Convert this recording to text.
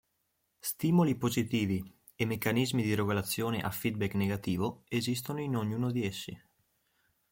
Stimoli positivi e meccanismi di regolazione a feed-back negativo esistono in ognuno di essi.